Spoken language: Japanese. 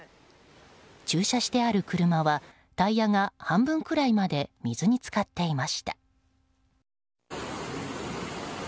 駐車してある車はタイヤが半分くらいまで水に浸かっていました。